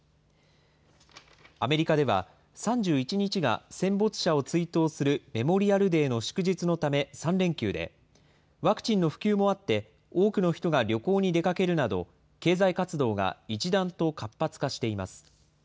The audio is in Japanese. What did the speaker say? アメリカでは、３１日が戦没者を追悼するメモリアルデーの祝日のため３連休で、ワクチンの普及もあって多くの人が旅行に出かけるなど、経済活動が一段と活発化しています。